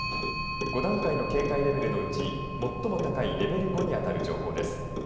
５段階の警戒レベルのうち最も高いレベル５に当たる情報です。